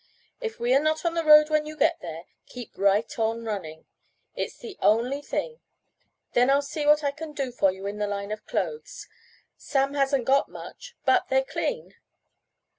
If we are not on the road when you get there, keep right on running. It's the only thing. Then I'll see what I can do for you in the line of clothes. Sam hasn't got much, but they're clean."